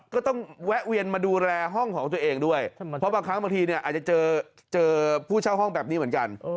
แวะเวียนมาดูแลห้องของตัวเองด้วยเพราะบางครั้งบางทีเนี่ยอาจจะเจอผู้เช่าห้องแบบนี้เหมือนกัน